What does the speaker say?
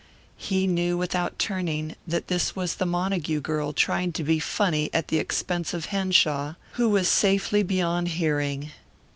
He knew without turning that this was the Montague girl trying to be funny at the expense of Henshaw who was safely beyond hearing.